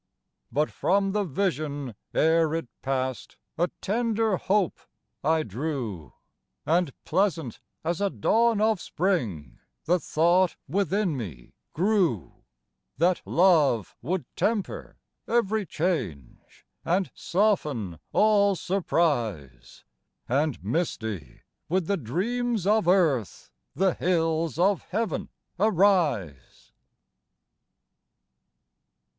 But from the vision ere it passed A tender hope I drew, And, pleasant as a dawn of spring, The thought within me grew, That love would temper every change, And soften all surprise, And, misty with the dreams of earth, The hills of Heaven arise.